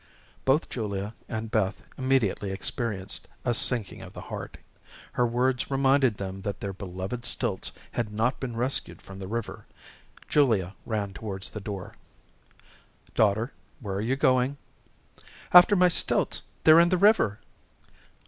Both Julia and Beth immediately experienced a sinking of the heart. Her words reminded them that their beloved stilts had not been rescued from the river. Julia ran towards the door. "Daughter, where are you going?" "After my stilts. They're in the river."